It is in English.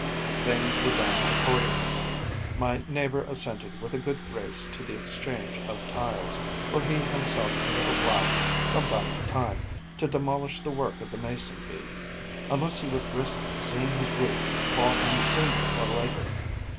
Things were done accordingly. My neighbour assented with a good grace to the exchange of tiles, for he himself is obliged, from time to time, to demolish the work of the Mason bee, unless he would risk seeing his roof fall in sooner or later.